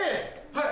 はい。